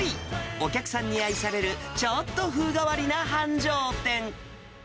お客さんに愛される、ちょっと風変わりな繁盛店。